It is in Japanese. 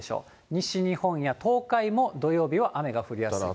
西日本や東海も土曜日は雨が降りやすい。